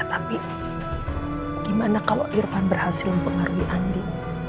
tapi gimana kalau irfan berhasil mempengaruhi andi